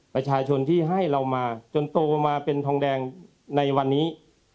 ประชาชนที่ให้เรามาจนโตมาเป็นทองแดงในวันนี้